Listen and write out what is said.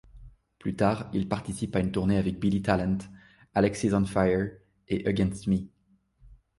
Plus tard, il participe à une tournée avec Billy Talent, Alexisonfire et Against Me!